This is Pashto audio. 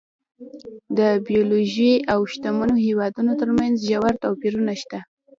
د بېوزلو او شتمنو هېوادونو ترمنځ ژور توپیرونه شته.